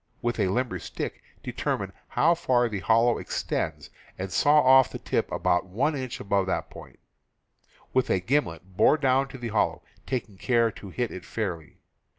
^j^ ^ j^^^^ ^^^^^ determine how far the hollow extends and saw off the tip about an inch above that point. With a gimlet bore down to the hollow, taking care to hit it fairly.